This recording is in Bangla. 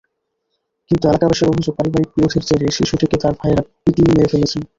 কিন্তু এলাকাবাসীর অভিযোগ, পারিবারিক বিরোধের জেরে শিশুটিকে তার ভাইয়েরা পিটিয়ে মেরে ফেলেছেন।